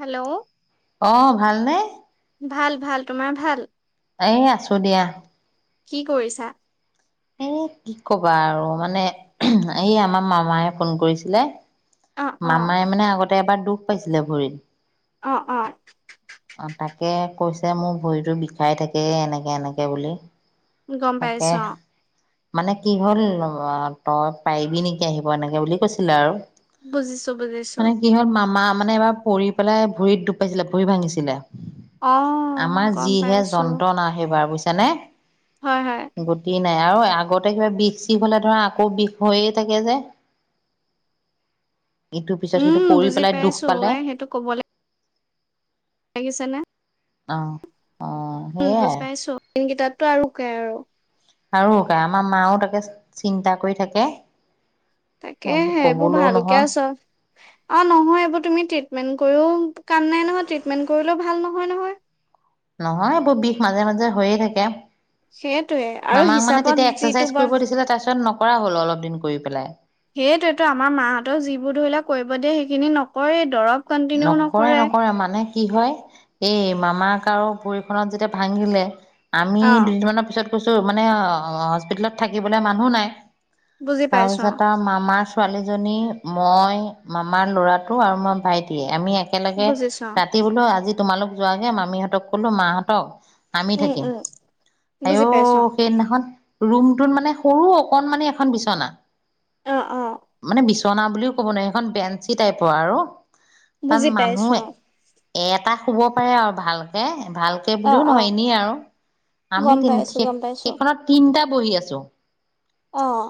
Hello অঁ ভালনে? ভাল - ভাল তোমাৰ ভাল? এ আছো দিয়া! কি কৰিছা? এ কি কবা আৰু মানে এই আমাৰ মামাই ফোন কৰিছিলে অ অ মামাই মানে আগত এবাৰ দুখ পাইছিলে ভৰিত, অ-অ অ তাকে কৈছে মো ভৰিতটো বিষাই থাকে এনেকে - এনেকে বুলি৷ গম তাকে পাইছো অ'। মানে কি হ'ল ম, তই পাৰিবি নেকি আহিব এনেকে বুলি কৈছিলে আৰু। বুজিছো বুজিছো। মানে কি হ'ল মামা মানে এবাৰ পৰি পেলাই ভৰিত দুখ পাইছিলে, ভৰি ভাঙিছিলে। অ আমাৰ গম যিহে পাইছো যন্ত্ৰণা সেইবাৰ, বো তেনে হয় হয়। বেয়াও আৰু আগতে কিবা বিষ-চিষ হ'লে ধৰা আকৌ বিষ হৈয়ে থাকে যে। ইটোৰ পিছত সিটো উম পৰি বুজি পেলাই দুখ পাইছো পালে। আই সেইটো কবলৈ লাগিছে নে? অ' অ উম সেইয়াই বুজি পাইছো [unintelligible] কেইটাত তো আৰু উকাই আৰু। আৰু উকাই, আমাৰ মাও তাকে চিন্তা কৰি থাকে। তাকেহে, এইবোৰ কবলৈও ভালকে নহয় আছ, অ' নহয় এইবোৰ তুমি ট্ৰিটমেন্ট কৰিও কাম নাই নহয় ট্ৰিটমেন্ট কৰিলেও ভাল নহয় নহয়। নহয় এইবোৰ বিষ মাজে-মাজে হৈয়ে থাকে। সেইটোয়ে আৰু মামাক মানে হিচাপত তেতিয়া যিটো এক্সাৰচাইজ বয় কৰিব দিছিলে তাৰপিছত ন কৰা হ'ল অলপ দিন কৰি পেলাই সেইটোৱেটো আমাৰ মাহঁতেও যিবোৰ ধৰি লোৱা কৰিব দিয়ে সেইখিনি নকৰেই, দৰৱ নকৰে নকৰে মানে। কি হয় এই মামাক আৰু ভৰিখনত যেতিয়া ভাঙিলে আমি অ দুদিনমানৰ পিছত কৈছো মানে অ' হস্পিতেলত থাকিবলে মানুহ নাই। বুজি পাইছো অ তাৰপিছত আৰু মামাৰ ছোৱালীজনী, মই, মামাৰ ল'ৰাটো আৰু মই ভাইটি [unintelligible] আমি একেলগে, বুজিছো ৰাতি বোলো আজি তোমালোক যোৱাগে মামীহঁতক ক'লো, মাহঁতক আমি অ উম থাকিম। উম বুজি আইঅ' পাইছো সেইদিনাখন ৰুমটোত মানে সৰু অকনমানি এখন বিচনা। অ অ মানে বিচনা চনা বুলিও ক'ব নোৱাৰি, সেইখন বেঞ্চি টাইপৰ আৰু। তাত বুজি মানুহ, পাইছো এটা শুব পাৰে আৰু ভালকে। ভালকে অ বুলিও অ নহয় এনেই আউ আমি গম তিন পাইছো সেই গম পাইছো সেইখনত তিনিটা বহি আছো অঁ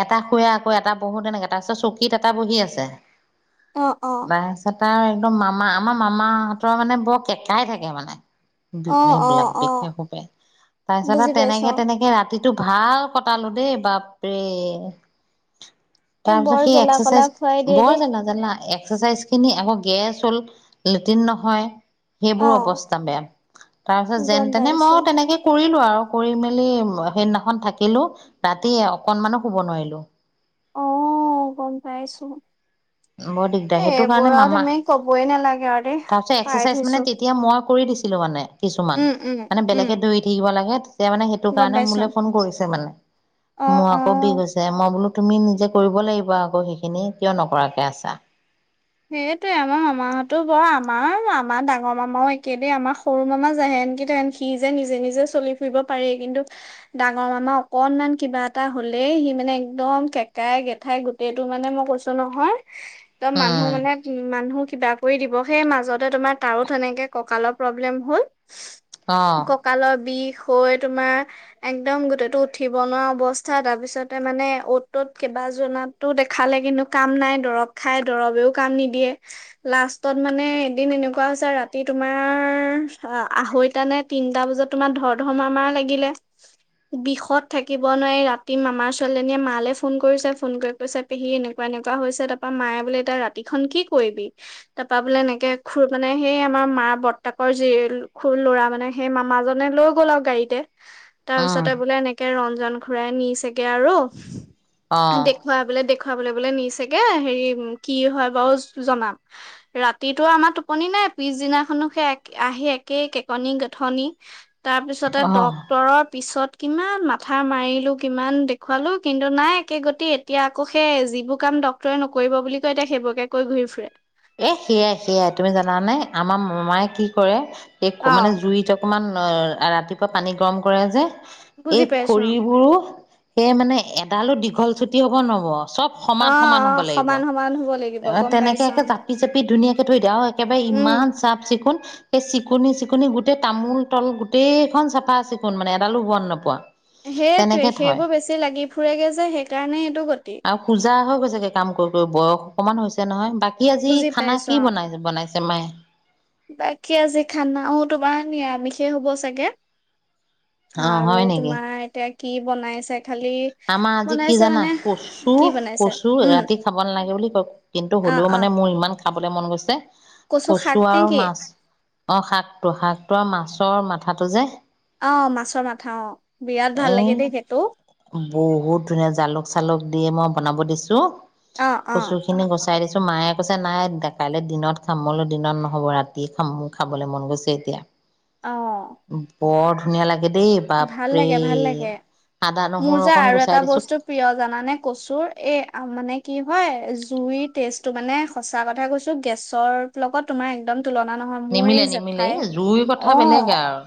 এটা শুৱে আকৌ এটা বহো তেনেকে তাৰপিছত চকীত এটা বহী আছে অ অ ৷ বাই চ [unintelligible] তাৰ একদম মামা আমাৰ মামাহঁতৰ মানে বৰ কেঁকাই থাকে মানে! অ অ সেইবিলাক অ বিশেষৰূপে তাৰপিছত আৰু বুজি পাইছো তেনেকে তেনেকে ৰাতি [unintelligible] টো ভাল কটালো দেই বাপৰে! এই তাৰ পিছত বৰ সেই জ্বলা কলা এক্সাৰচাইজ খুৱাই দিয়ে বৰ দেই জেগা জানা? ফচাইছখিনি আকৌ গেছ হল। লেটিন নহয়, অ সেইবোৰ অৱস্থা বেয়া তাৰ পিছত গম যেন তেনে পাইছো মই তেনেকে কৰিলো আৰু৷ কৰি মেলি সেইদিনাখন থাকিলো, ৰাতি অকনমানো শুব নোৱাৰিলো। অ গম পাইছো৷ বৰ এ দিগদাৰ সেইটো এইবোৰ কাৰণে আৰু মামা তুমি কবই নালাগে আৰু দেই তাৰপিছত পাই এক্সাৰচাইজ থৈছো মানে তেতিয়া মই কৰি দিছো। ছিলোমানে। কিছুমান উম উম মানে উম বেলেগে দৌৰি থাকিব লাগে এতিয়া মানে সেইটো গম কাৰণে পাইছো মোলে ফোন কৰিছে মানে। অ মোৰ আকৌ অ বিষ হৈছে মই বোলো তুমি নিজে কৰিব লাগিব আকৌ সেইখিনি কিয় নকৰা? কে আছা সেইটোয়ে আমাৰ মামাহতো বৰ আমাৰ ডাঙৰ মামাও একেদেই আমাৰ সৰু মামা যেহেনকিতিহেন সি যে নিজে নিজে চলি ফুৰিব পাৰেই কিন্তু ডাঙৰ মামা অকনমান কিবা এটা হলেই সি মানে একদম কেকাই গেঠাই গোটেইটো মানে মই কৈছো নহয়! মানুহ উম মানে মানুহ কিবা কৰি দিব সেই মাজতে তোমাৰ তাৰো তেনেকে কঁকালৰ প্ৰব্লেম হ'ল অহ ককালৰ বিষ হৈ তোমাৰ একদম গোটটো উঠিব নোৱাৰা অৱস্থা তাৰপিছতে মানে অ'ত ত'ত কেইবাজনাতো দেখালে কিন্তু কাম নাই দৰৱ খাই দৰৱেও কাম নিদিয়ে লাষ্টত মানে এদিন এনেকুৱা হৈছে ৰাতি তোমাৰ আঢ়ৈটা নে তিনটা বজাত তোমাৰ ধৰ ধৰ মাৰ মাৰ লাগিলে বিষত থাকিব নোৱাৰি ৰাতি মামাৰ ছোৱালীজনীয়ে মালৈ ফোন কৰিছে ফোন কৰি কৈছে পেহী এনেকুৱা এনেকুৱা হৈছে তাৰাপা মায়ে বোলে এতিয়া ৰাতিখন কি কৰিবি তাপা বোলে এনেকে খুৰ মানে সেই আমাৰ মাৰ বৰ্তাকৰ যি খুৰ ল'ৰা মানে সেই মামাজনে লৈ গ'ল আউ গাড়ীতে তাৰ উম পিছতে বোলে এনেকে ৰন জন ঘুৰাই নিছেগে আৰু অহ দেখুওৱা বোলে দে খোৱাবলৈ বোলে নিছেগে হেৰি কি হয় বাৰু জনাম ৰাতিটো আমাৰ টোপনি নাই পিছদিনাখনো সে এক আহি একেই কেকনি গেথনি ৷ তাৰপিছতে অহ। ডক্তৰৰ পিছত কিমান মাথা মাৰিলোঁ কিমান দেখুৱালো কিন্তু নাই একে গতি এতিয়া আকৌ সেই যিবোৰ কাম ড্ক্তৰে নকৰিব বুলি এতিয়া সেইবোৰকে কৈ ঘূৰি ফুৰে ৷ এ সেয়াই - সেয়াই তুমি জানা নে আমাৰ মামাই কি কৰে? অ [unintelligible] মানে জুইত অকমান অ' ৰাতিপুৱা পানী গৰম কৰে যে বুজি এই পাইছো খৰিবোৰো সে মানে এ তালো দীঘল-ছুটি হ'ব নহ'ব। চব সমান অ' সমান হ'ব অ' লাগিব। সমান-সমান হ'ব লাগিব গম পাইছো পি ধুনীয়াকে থৈ দিয়ে। আও একেবাৰে উম ইমান চাফ-চিকুণ সেই চিকুনি-চিকুনি গোটেই তামোল তল গোটেইখন চাফা-চিকুণ মানে এডালো বন নোপোৱা সেইটোৱে, তেনেকে থয় সেইবোৰ বেছি লাগি ফুৰেগে যে সেইকাৰণে এইটো গতি। গে কাম কৰি কৰি, বয়স অকমান হৈছে নহয়। বাকী আজি বুজি খানা পাইছো কি অ'। বনাই বনাইছে মায়ে বাকী আজি খানাও তোমাৰ নিৰা আমিষে হ'ব চাগে। অ আৰু হয় নেকি তোমাৰ এতিয়া কি বনাইছে? খালি আমাৰ আজি কি বনাইছে জানা মানে কি কচুৰ, বনাইছে কচু উম ৰাতি খাব নালাগে বুলি ক কিন্তু অ হ'লেও অ মানে মোৰ ইমান খাবলৈ মন গৈছে শাক কচু নে আৰু কি মাছ অ' শাকটো, শাকটো আৰু মাছৰ মাথাটো যে অ' মাছৰ মাথা অ', বিৰাট ভাল এই লাগে দেই সেইটো বহুত ধুনীয়া, জালুক-চালুক দিয়ে মই বনাব দিছোঁ অ অ কচুখিনি গছ চাই দিছো মায়ে কৈছে নাই, কাইলৈ দিনত খাম। মই বোলো দিনত নহ'ব ৰাতিয়ে খাম, মোৰ খাবলৈ মন গৈছে এতিয়া। অ'। বৰ ধুনীয়া লাগে দেই ভাল বাপৰে লাগে ভাল লাগে মোৰ নহৰু যে অকণ আৰু গুচাই এটা দিছো বস্তু প্ৰিয় জানানে কচুৰ, এ মানে কি হয় জুইৰ টেষ্টটো মানে সঁচা কথা কৈছো, গেছৰ লগত তোমাৰ একদম তুলনা নহয়, মোৰ নিমিলে এই নিমিলে জেঠাই। জুইৰ কথা বেলেগে অ', আৰু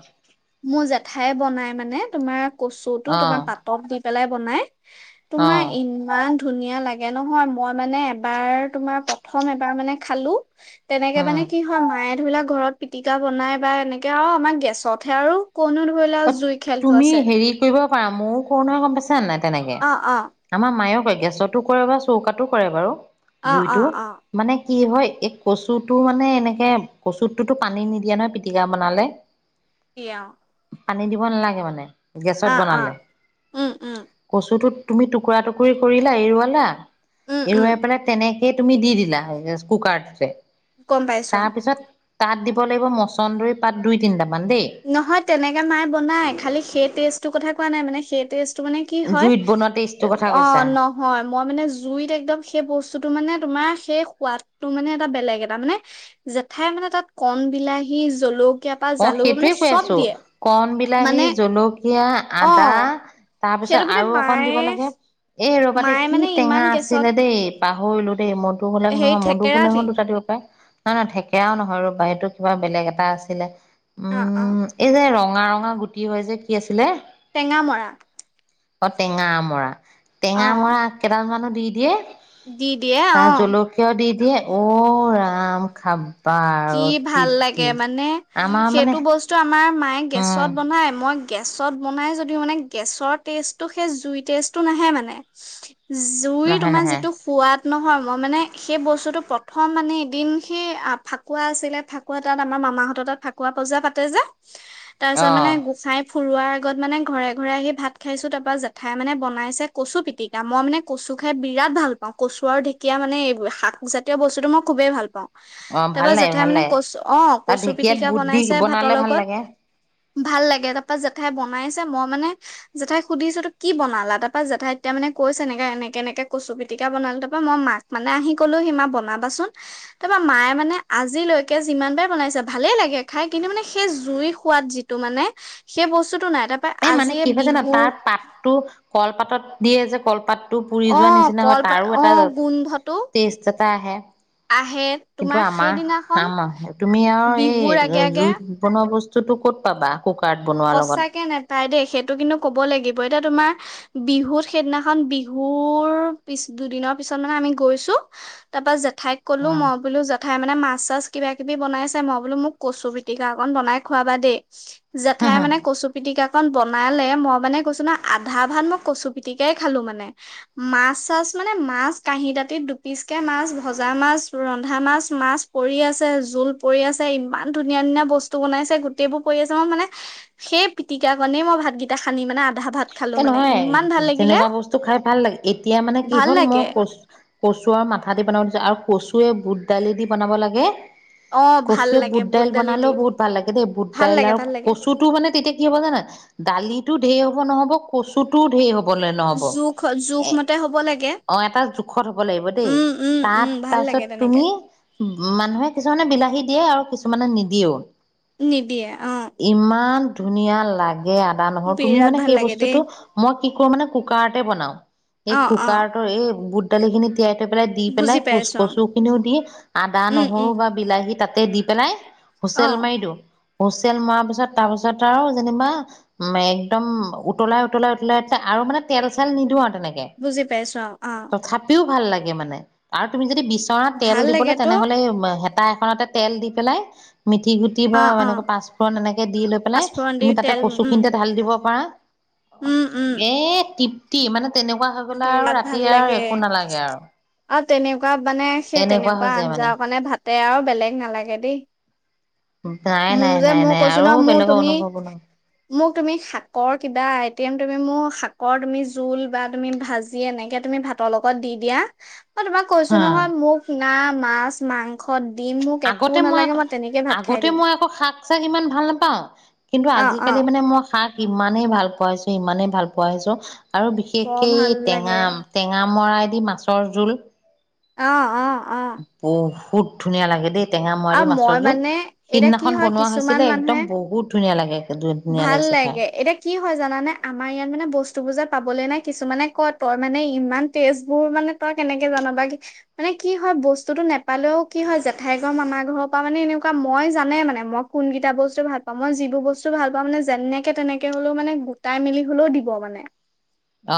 মোৰ জেঠাই নাই মানে, তোমাৰ কচুটো অ তোমাৰ পাতত দি পেলাই বনাই। অ তোমাৰ ইমান। ধুনীয়া লাগে নহয়। মই মানে এবাৰ তোমাৰ প্ৰথম এবাৰ মানে খালো। তেনেকে উম মানে কি হয় মায়ে। ধৰিলাক ঘৰত পিটিকা বনাই বা এনেকে আৰু আমাৰ গেছত হে আৰু কনো ধৰিলা। তুমি হেৰি কৰিব পাৰা ময়ো কৰো নহয় গম পাইছা নাই। তেনেকে অ অ আমাৰ মায়েও‌ কৰিব পাৰে। গেছতো কৰে বা চৌকাতো কৰে বাৰু। অ অ জুইটো অ মানে। কি হয়, এই কচুটো মানে এনেকে কচুটোতো পানী নিদিয়া নহয় পিটিকা বনালে। তিয়াও। পানী দিব। দিব নালাগে মানে। গেছত অ বনালে উম উম কচুটোত। তুমি টুকুৰা টুকুৰি কৰিলা এৰুৱালা। উম উম এৰোৱাই পেলাই তেনেকে। সেই তুমি দি দিলা কুকাৰটোতে। গম পাইছো। তাৰপিছত তাত দিব লাগিব মছন্দৰী পাত দুই তিনিটামান। দেই নহয় তেনেকে মায়ে বনাই। খালি সেই টেষ্টটোৰ কথা কোৱা নাই মানে সেই টেষ্ট। মানে কি হয় জুইত বনোৱা টেষ্টটোৰ কথা অ কৈছা নহয়। মই মানে জুইত একদম সেই বস্তুতটো মানে তোমাৰ। সেই সোৱাদটো মানে এটা বেলেগ এটা মানে জেঠাই মানে তাত কণ বিলাহী জলকীয়া। জলকীয়া বা জালুক মানে। কি কৈ চব আছো দিয়ে কণ বিলাহী মানে জলকীয়া অ আদা সেইটো তাৰপিছত মানে আৰু অকন দিব মায়ে লাগে। এই ৰবা দে মায়ে কি মানে টেঙা ইমান গেছত আছিলে দেই। পাহৰিলো। দেই মধুহোলেঙ হেৰি নহয় থেকেৰা মধুহোলেঙ দি দুটা দিব পাৰে। নাই নহয় ঠেকেৰাও নহয় ৰবা' এইটো কিবা বেলেগ এটা আছিলে। অ অ উম এই যে ৰং। ৰঙা ৰঙা গুটি হয় যে কি আছিলে। টেঙামৰা। অ টেঙামৰা। টেঙামৰা আগ কেইডাল মানো। দি দিয়ে। দি দিয়ে অ ৷ দে ঔ ৰাম খাব কি ভাল লাগে মানে আমাৰ মানে সেইটো বস্তু আমাৰ মায়ে উম গেছত বনাই মই গেছত বনাই যদিও মানে গেছৰ টেষ্টটো সেই জুই টেষ্টটো নাহে মানে৷ জুই নহয় তোমাৰ নহয় যিটো সোৱাদ নহয় মই মানে সেই বস্তুটো প্ৰথম মানে এদিন সেই ফাক কুৱা আছিলে ফাকুৱা তাত আমাৰ মামাহঁত তাত ফাকুৱা পজা পাতে যে তাৰ পিছত মানে অ', গোসাঁই ফুৰোৱাৰ আগত মানে ঘৰে-ঘৰে আহি ভাত খাইছো তাৰ পৰা জেঠাই মানে বনাইছে কচু পিতিকা মই মানে কচু খাই বিৰাট ভাল পাওঁ কচু আৰু ঢেঁকীয়া মানে এই শাক জাতীয় বস্তুতটো মই খুবেই ভাল পাওঁ৷ অ', ভাল তাপা লাগে জেঠাই ভাল মানে লাগে কচ অঁ আৰু কচু ঢেকীয়াত পিতিকা বুট দি বনাইছে ভাত বনালে ভাল লগত৷ লাগে। ভাল লাগে তাপা জেঠাই বনাইছে মই মানে জেঠাইক সুধিছো এতো কি বনালা তাপা জেঠাই এতিয়া মানে কৈছে এনেকে-এনেকে এনেকে কচু পিতিকা বনালো তাৰপা মই মাক মানে আহি কলো সি মা বনাবাচোন তাৰপা মায়ে মানে আজিলৈকে যিমান পাৰে বনাইছে ভালেই লাগে খাই কিন্তু মানে সেই জুইৰ সোৱাদ যিটো মানে সেই বস্তুতটো নাই তাপ এই মানে কি হৈ জানা তাত পাতটো কলপাতত দিয়ে যে কলপাত অঁ কলপা অঁ গোন্ধটো! তা হে আহে কিন্তু তোমাৰ আমা সেইদিনাখন তুমি আৰু এই বিহুৰ আগে আগে জুইত বনোৱা বস্ত তুটো ক'ত পাবা? কুকাৰট বনোৱা লগত সঁচাকে নেপায় দেই সেইটো কিন্তু ক'ব লাগিব এতিয়া তোমাৰ বিহুত সেইদিনাখন বিহুৰ পিছ দুদিনৰ পিছত মানে আমি গৈছো তাৰপা জে ঠাইত কলো উম, মইবলো জেঠাই খাই মানে মাছ চাছ কিবা কিবি বনাইছে মই বোলো মোক কছো পিতিকা অকন বনাই খুৱাবা দেই ঠাই মানে কচু পিটিকা অকণ বনালে মই মানে কৈছো ন আধা ভাত মই কচু পিটিকাই খালো মানে মাছ চাছ মানে মাছ কাঁহী দাঁতিত দুপিচ কে মাছ ভজা মাছ ৰন্ধা মাছ- মাছ পৰি আছে জোল পৰি আছে ইমান ধুনীয়া - ধুনীয়া বস্তু বনাইছে গোটেই বোৰ পৰি আছে মই মানে সেই পিটিকা কনেই মই ভাতগেইটা সান্দি মানে আ এ নহয় তেনেকুৱা বস্তু খাই ভাল লাগে এতিয়া মানে কি ভাল হ'ল মই লাগে কচ কচুৰ আৰু মাথা দি বনাব দি আৰু কচুৱে বুট দালি দি বনাব লাগে, অ ভাল কচুৱে লাগে বুট দাইল দালি বনালেও দি বহুত ভাল লাগে দেই বুট ভাল দাইল লাগে আৰু ভাল লাগে কচুটো মানে তেতিয়া কি হ'ব জানা দালিটো ঢেই নহ'ব-নহ'ব কচুটোও ধেৰ হ'ব হ'লে নহ'ব জোখ জোখ এ মতে হ'ব লাগে অ এটা জোখত হ'ব লাগিব দেই উম উম তাত উম ভাল লাগে তাপিছত তেনেকে তুমি মানুহে কিছুমানে বিলাহীত দিয়ে আৰু কিছুমানে নিদিয়েও৷ নিদিয়ে, অ'। ইমান ধুনীয়া লাগ গে আদা-নহৰু তুমি বিৰাট মানে ভাল সেই লাগে বস্তু দেই যিটো মই কি কৰো মানে কুকাৰতে বনাও এই অ অ কুকাৰটো এই বুট দালিখিনি তিয়াই পেলাই দি পেলাই বুজি পাইছো অ কচ-কচুখিনিও দি উম আদা-নহৰু উম বা বিলাহী তাতে তে দি পেলাই। অ হুচেল মাৰি দিও হুচেল মৰা পিছত তাৰ পিছত আৰু যেনিবা, উম একদম উত উতলাই-উতলাই-উতলাই আৰু মানে তেল-চেল নিদিওঁ আৰু। তেনেকে, বুজি পাইছো অ অ তথাপিও ভাল লাগে মানে, আৰু তুমি যদি বিচৰা তেল ভাল দিবলৈ লাগেতো তেনেহ'লে টাৱা এখনতে তেল দি পেলাই মিঠি গুটি বা অ অ এনেকৈ পাঁচফুৰণ এনেকে দি লৈ পেলাই, পাঁচফোৰণ দি তুমি তাতে তেল উম কচুখিনিতে ঢালি দিব পাৰা। উম উম এ-টি টি মানে তেনেকুৱা হৈ গ'লে আৰু বিৰাট ৰাতি ভাল আৰু লাগে একো নালাগে আৰু তেনেকুৱা মানে সেই এনেকুৱা হৈ তেনেকুৱা যায় মানে আঞ্জা অকণে ভাতে আৰু বেলেগ নালাগে দেই। নাই মোৰ নাই যে নাই মই নাই কৈছো ন আৰু মোৰ বেলেগৰ তুমি অনুভৱো নহয়। মোক তুমি শাকৰ কিবা আইতেম তুমি মোক, শাকৰ কিবা জোল বা তুমি ভাজি এনেকে তুমি ভাতৰ লগত দিয়া মই তোমাক কৈছো হা নহয়, মোক না মাছ-মাংস মুখত দিম মোক একো নালাগে মই তেনেকেইে ভাত খাই আগতে দিম। মই আকৌ শাক-চাক ইমান ভাল নাপাওঁ, কিন্তু অ অ আজি-কালি মানে মই শাক ইমানেই ভাল পোৱা হৈছো, ইমানেই ভাল পোৱা হৈছো আৰু বৰ বিশেষকে এই ভাল লাগে টেঙা, টেঙা অমৰাই দি মাছৰ জোল। অ' অ'। বহু বহুত ধুনীয়া লাগে দেই। টেঙামৰা দি আৰু মই মাছৰ জোল, মানে এতিয়া কি সিদিনাখন হয় বনোৱা কিছুমান হৈছিলে মানুহে একদম বহুত ধুনীয়া লাগে। ধুনীয়া ভাল লাগিছে খাই লাগে এতিয়া কি হয় জানানে আমাৰ ইয়াত মানে বস্তু বোৰ যে পাব বলে নাই কিছুমানে কয় তই মানে ইমান টেষ্ট বোৰ মানে তই কেনেকে জানে বা মানে কি হয় বস্তুটো নোপালেও কি হয় জেঠাই ঘৰ মামাৰ ঘৰৰ পা মানে এনেকুৱা মই জানে মানে মই কোন কেইটা বস্তু ভাল পাওঁ মই যিবোৰ বস্তু বস্তু ভাল পাওঁ মানে যেনেকে তেনেকে হলেও মানে গোটাই মিলি হলেও দিব মানে৷ অ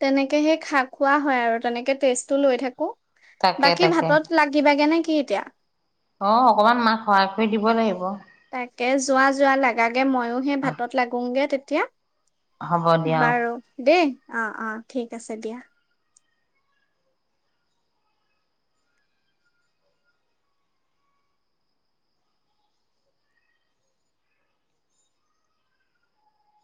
তেনেকে সেই খাক খোৱা হয় আৰু তেনেকে টেষ্টটো লৈ থাকো৷ তাকে বাকী তাকে ভাতত লাগিবাগে নে ক? কি এতিয়া? অ অকমান মাক সহায় কৰি দিব লাগিব৷ তাকে যোৱা-যোৱা লাগা৷ ময়ো সেই অ ভাতত লাগুগে এতিয়া? হ'ব দিয়া অ বাৰু দেই! অ-অ ঠিক আছে দিয়া৷